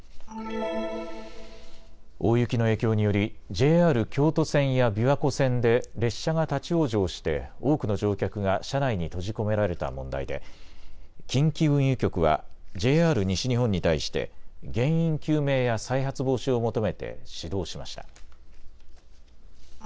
大雪の影響によりＪＲ京都線や琵琶湖線で列車が立往生して多くの乗客が車内に閉じ込められた問題で、近畿運輸局はＪＲ西日本に対して原因究明や再発防止を求めて指導しました。